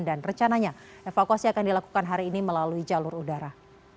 dan rencananya evakuasi akan dilakukan hari ini melalui jalur udara